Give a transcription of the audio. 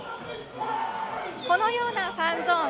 このようなファンゾーン